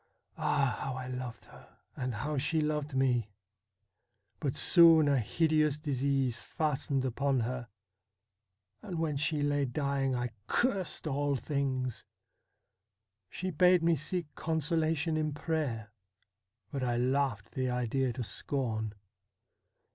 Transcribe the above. Ah ! how I loved her, and how she loved me ! But soon a hideous disease fastened upon her, and when she lay dying I cursed all things. She bade me seek consolation in prayer, but I laughed the idea to scorn.